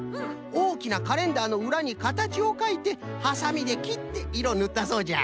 おおきなカレンダーのうらにかたちをかいてはさみできっていろぬったそうじゃ。